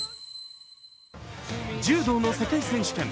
柔道の世界選手権。